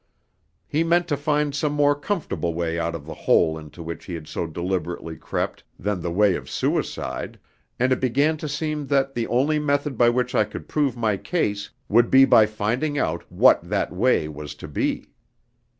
He meant to find some more comfortable way out of the hole into which he had so deliberately crept than the way of suicide, and it began to seem that the only method by which I could prove my case would be by finding out what that way was to be.